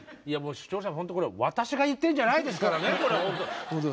視聴者ほんとこれ私が言ってるんじゃないですからね。